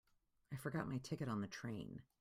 I forgot my ticket on the train.